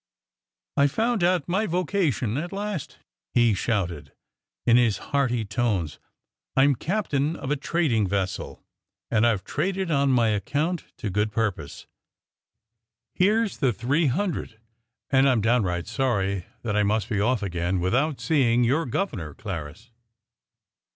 "I've found out my vocation at last," he shouted, in his hearty tones. "I'm captain of a trading vessel, and I've traded on my own account to good purpose. Here's the three hundred, and I'm downright sorry that I must be off again without seeing your governor, Clarris."